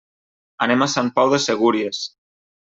Anem a Sant Pau de Segúries.